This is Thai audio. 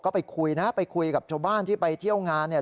ก็ไปคุยนะไปคุยกับชาวบ้านที่ไปเที่ยวงานเนี่ย